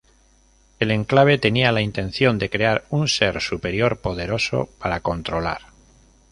El Enclave tenía la intención de crear un ser super poderoso para controlar.